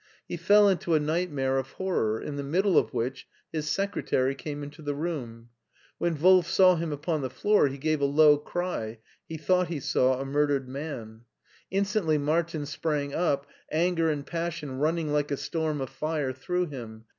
He fell into a nightmare of horror, in the middle of which his secretary came into the room. When Wolf saw him upon the floor he gave a low cry — ^he thought he saw a murdered man. Instantly Martin sprang up, anger and passion running like a storm of fire through him.